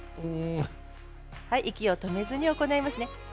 息を止めずに行いますね。